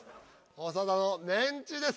長田のメンチです。